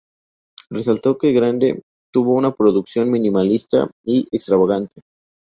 Resaltó que Grande tuvo una producción minimalista y extravagante.